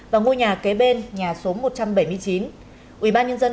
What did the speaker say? và ngôi nhà kế bên nhà số một trăm bảy mươi chín ubnd